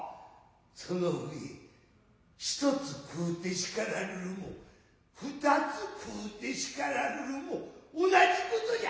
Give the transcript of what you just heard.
その上一つ食うて叱らるるも二つ食うて叱らるるも同じことじゃ。